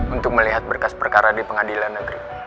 untuk melihat berkas perkara di pengadilan negeri